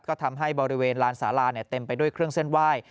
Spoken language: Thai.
ก็ทำให้บริเวณลานสาราเต็มไปด้วยเครื่องเส้นไหว้